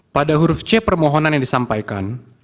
pada huruf c permohonan yang disampaikan